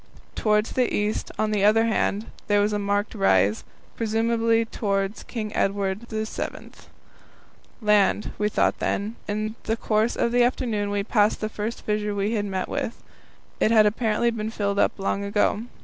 Towards the east, on the other hand, there was a marked rise presumably towards King Edward VII. Land, we thought then. In the course of the afternoon we passed the first fissure we had met with. It had apparently been filled up long ago.